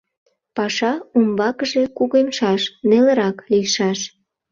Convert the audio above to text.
Паша умбакыже кугемшаш, нелырак лийшаш.